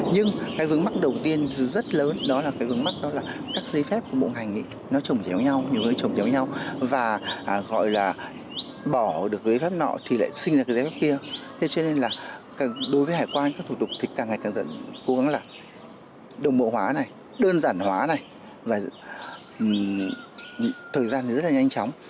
thế cho nên là đối với hải quan các thủ tục thì càng ngày càng dần cố gắng là đồng bộ hóa này đơn giản hóa này và thời gian rất là nhanh chóng